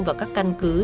vào các căn cứ